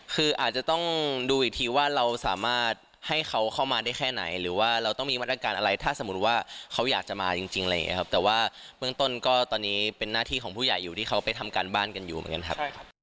คืออาจจะต้องดูอีกทีว่าเราสามารถให้เขาเข้ามาได้แค่ไหนหรือว่าเราต้องมีมาตรการอะไรถ้าสมมุติว่าเขาอยากจะมาจริงอะไรอย่างนี้ครับแต่ว่าเบื้องต้นก็ตอนนี้เป็นหน้าที่ของผู้ใหญ่อยู่ที่เขาไปทำการบ้านกันอยู่เหมือนกันครับ